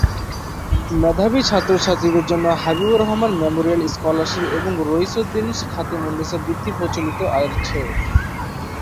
মেধাবী ছাত্রছাত্রীদের জন্য হাবিবুর রহমান মেমোরিয়াল স্কলারশিপ এবং রইসউদ্দিন খাতেমুন্নেছা বৃত্তি প্রচলিত আছে।